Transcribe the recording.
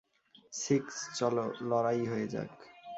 Six, চলো লড়াই হয়ে যাক!